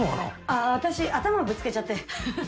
ああ私頭ぶつけちゃって。